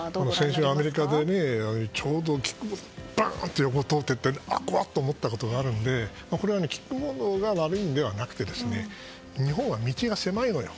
選手、アメリカでちょうどキックボードがバーンと通って怖いと思ったことがあってこれはキックボードが悪いんじゃなくて日本は道が狭いのよ。